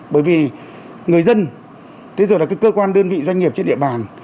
bởi vì người dân thế rồi là cơ quan đơn vị doanh nghiệp trên địa bàn